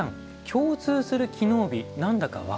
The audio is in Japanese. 共通する機能美何だか分かりますか？